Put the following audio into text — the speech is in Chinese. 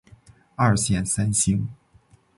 二线三星。